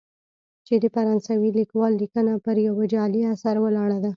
چې د فرانسوي لیکوال لیکنه پر یوه جعلي اثر ولاړه ده.